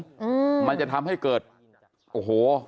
อืมมันจะทำให้เกิดโอ้โห